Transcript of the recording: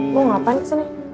lo ngapain kesini